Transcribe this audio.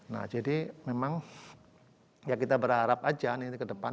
nah jadi memang ya kita berharap aja nanti ke depan